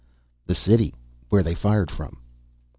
"The city. Where they fired from."